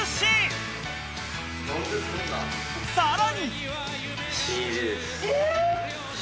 ［さらに］